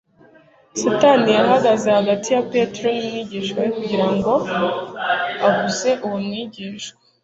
Satani yahagaze hagati ya Petero n'Umwigisha we kugira ngo abuze uwo mwigishwa